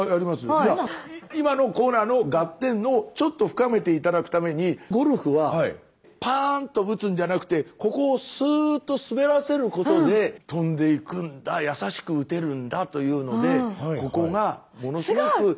今のコーナーのガッテンをちょっと深めて頂くためにゴルフはパーンと打つんじゃなくてここをスーッと滑らせることで飛んでいくんだ優しく打てるんだというのでここがものすごく。